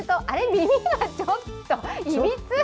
耳がちょっといびつ。